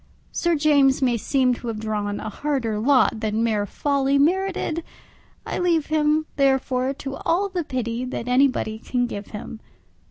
Sir James may seem to have drawn a harder lot than mere folly merited; I leave him, therefore, to all the pity that anybody can give him.